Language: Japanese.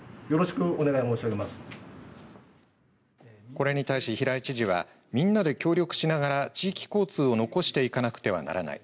これに対し平井知事はみんなで協力しながら地域交通を残していかなくてはならない。